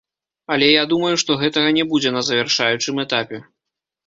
Але я думаю, што гэтага не будзе на завяршаючым этапе.